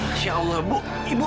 insya allah ibu